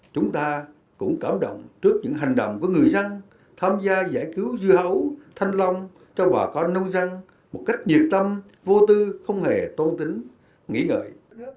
chúng ta cũng cảm động trước những hành động của người dân tham gia giải cứu dưa hấu thanh long cho bà con nông dân một cách nhiệt tâm vô tư không hề tôn tính nghĩ ngợi